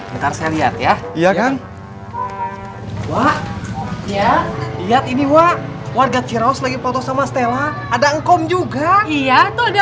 warga ciraos lagi potongan stella ada kom cuerpo artinya perle funeral lagi foto sama stella ada enkom juga iya itu ada enkom juga